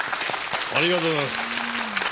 ありがとうございます。